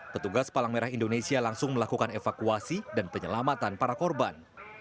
petugas palang merah indonesia langsung melakukan evakuasi dan penyelamatan para korban